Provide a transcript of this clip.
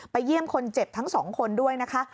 เยี่ยมคนเจ็บทั้งสองคนด้วยนะคะ